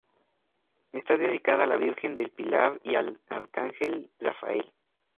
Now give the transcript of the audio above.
Está dedicada a la Virgen del Pilar y al arcángel Rafael.